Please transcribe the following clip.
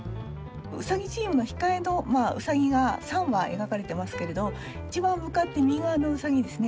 うさぎチームの控えのうさぎが３羽描かれてますけれど一番向かって右側のうさぎですね